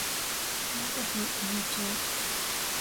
京都府伊根町